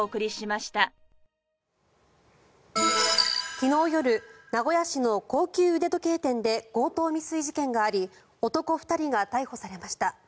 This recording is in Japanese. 昨日夜名古屋市の高級腕時計店で強盗未遂事件があり男２人が逮捕されました。